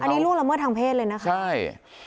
อันนี้ล่วงละเมิดทางเพศเลยนะคะใช่